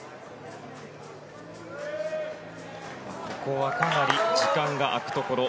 ここはかなり時間が空くところ。